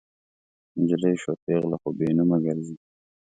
نجلۍ شوه پیغله خو بې نومه ګرزي